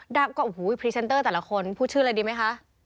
ดังก็โอ้โหพรีเซนเตอร์แต่ละคนพูดชื่ออะไรดีไหมคะ